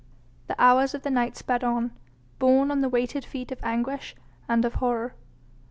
The hours of the night sped on, borne on the weighted feet of anguish and of horror.